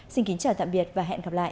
xin kính chào tạm biệt và hẹn gặp lại